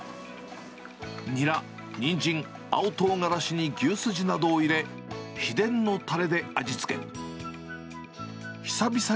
ニラ、ニンジン、青トウガラシに牛すじなどを入れ、秘伝のたれで味付け。